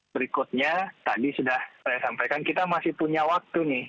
berikutnya tadi sudah saya sampaikan kita masih punya waktu nih